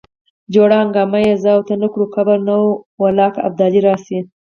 جوړه هنګامه چې زه او ته نه کړو قبر نه والله که ابدالي راشي.